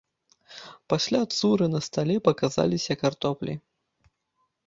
Пасля цуры на стале паказаліся картоплі.